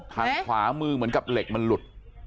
ทางขวามือเหมือนกับเหล็กมันหลุด